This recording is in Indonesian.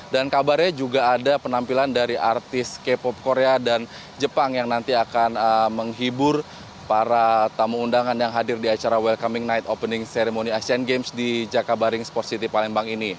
dan kabarnya juga ada penampilan dari artis k pop korea dan jepang yang nanti akan menghibur para tamu undangan yang hadir di acara welcoming night opening ceremony asian games di jakabaring sports city palembang ini